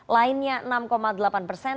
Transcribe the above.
lainnya enam delapan persen